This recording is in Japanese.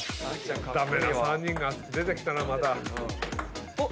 駄目な３人が出てきたなまた。